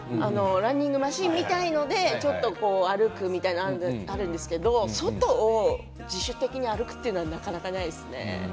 ランニングマシンみたいなもので歩くみたいなことはありますけど外を自主的に歩くということはなかなかないですね。